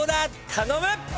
頼む！